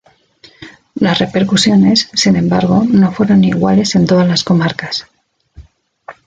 Las repercusiones, sin embargo, no fueron iguales en todas las comarcas.